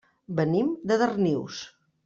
Venim de Darnius.